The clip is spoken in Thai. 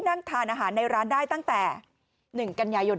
นั่งทานอาหารในร้านได้ตั้งแต่๑กันยายน